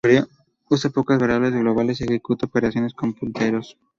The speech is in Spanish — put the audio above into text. Usa pocas variables globales y ejecuta operaciones con punteros.